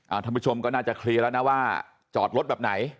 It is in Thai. ท่านผู้ชมก็น่าจะเคลียร์แล้วนะว่าจอดรถแบบไหน